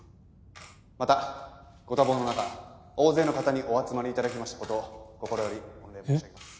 またご多忙の中大勢の方にお集まり頂きました事心より御礼申し上げます。